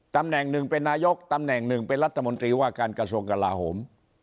ตำแหน่งหนึ่งเป็นนายกตำแหน่งหนึ่งเป็นรัฐมนตรีว่าการกระทรวงกลาโหม